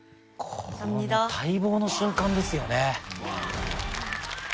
この待望の瞬間ですよね。